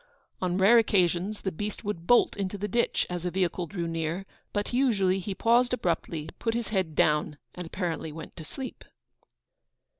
On rare occasions the beast would bolt into the ditch as a vehicle drew near; but usually he paused abruptly, put his head down, and apparently went to sleep.